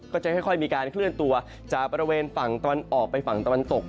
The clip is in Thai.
ก็จะค่อยมีการเคลื่อนตัวจากบริเวณฝั่งตะวันออกไปฝั่งตะวันตก